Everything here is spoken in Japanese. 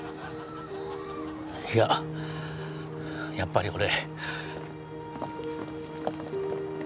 いややっぱり俺。